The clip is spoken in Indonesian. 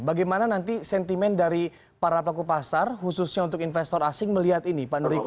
bagaimana nanti sentimen dari para pelaku pasar khususnya untuk investor asing melihat ini pak nuriko